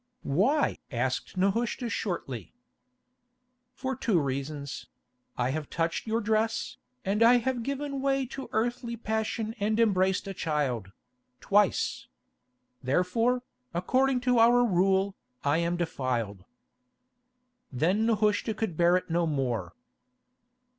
"Why?" asked Nehushta shortly. "For two reasons: I have touched your dress, and I have given way to earthly passion and embraced a child—twice. Therefore, according to our rule, I am defiled." Then Nehushta could bear it no more.